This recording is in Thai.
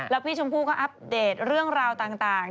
แล้วพี่ชมพู่ก็อัปเดตเรื่องราวต่าง